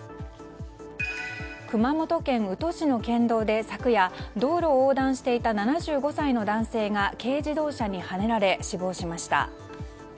熊本県宇土市の県道で、昨夜道路を横断していた７５歳の男性が軽自動車にはねられ死亡しました。